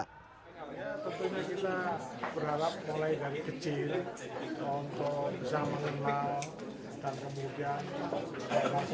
tentunya kita berharap mulai dari kecil untuk bisa mengenal dan kemudian informasi